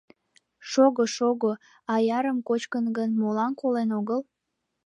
Шого-шого, аярым кочкын гын, молан колен огыл?